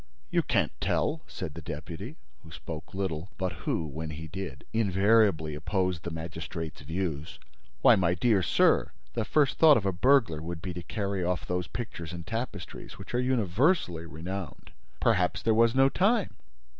"You can't tell!" said the deputy, who spoke little, but who, when he did, invariably opposed the magistrate's views. "Why, my dear sir, the first thought of a burglar would be to carry off those pictures and tapestries, which are universally renowned." "Perhaps there was no time."